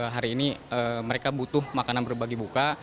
hari ini mereka butuh makanan berbagibuka